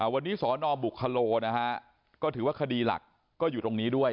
วันนี้สนบุคโลนะฮะก็ถือว่าคดีหลักก็อยู่ตรงนี้ด้วย